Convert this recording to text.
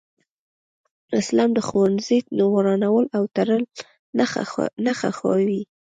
اسلام د ښوونځي ورانول او تړل نه خوښوي